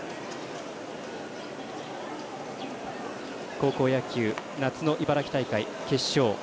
高校野球夏の茨城大会決勝。